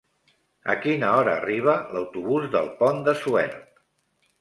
A quina hora arriba l'autobús del Pont de Suert?